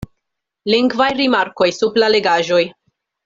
Lingvaj rimarkoj sub la legaĵoj.